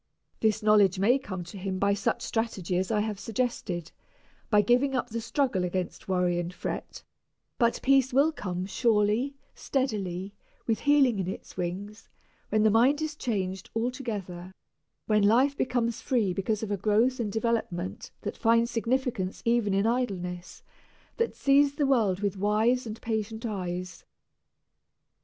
This knowledge may come to him by such strategy as I have suggested by giving up the struggle against worry and fret; but peace will come surely, steadily, "with healing in its wings," when the mind is changed altogether, when life becomes free because of a growth and development that finds significance even in idleness, that sees the world with wise and patient eyes.